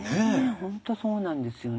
本当そうなんですよね。